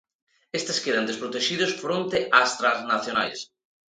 Estes quedan desprotexidos fronte ás transnacionais.